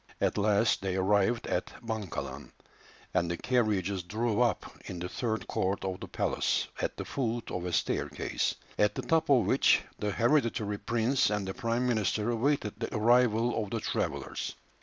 At last they arrived at Bankalan, and the carriages drew up in the third court of the palace at the foot of a staircase, at the top of which the hereditary prince and the prime minister awaited the arrival of the travellers.